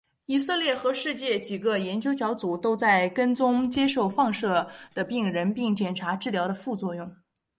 以色列和世界几个研究小组都在跟踪接受放射的病人并检查治疗的副作用。